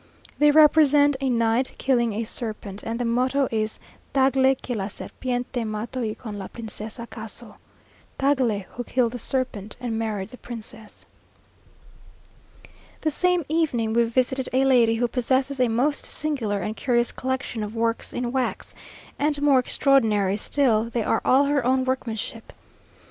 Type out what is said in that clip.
They represent a knight killing a serpent; and the motto is "Tagle que la serpiente mato y con la Princesa caso" (Tagle who killed the serpent, and married the Princess). The same evening, we visited a lady who possesses a most singular and curious collection of works in wax; and more extraordinary still, they are all her own workmanship.